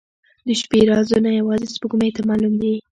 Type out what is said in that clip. • د شپې رازونه یوازې سپوږمۍ ته معلوم دي.